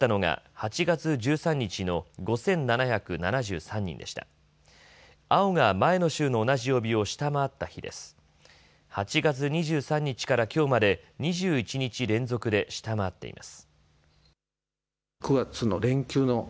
８月２３日からきょうまで２１日連続で下回っています。